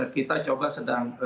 kita coba sedang